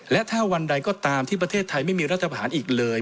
และถ้าวันใดก็ตามที่ประเทศไทยไม่มีรัฐประหารอีกเลย